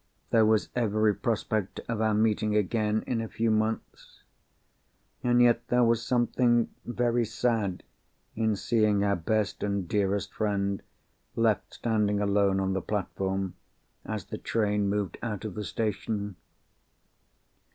There was every prospect of our meeting again in a few months—and yet there was something very sad in seeing our best and dearest friend left standing alone on the platform, as the train moved out of the station.